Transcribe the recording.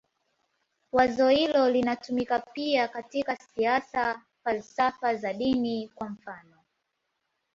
Wazo hilo linatumika pia katika siasa, falsafa na dini, kwa mfanof.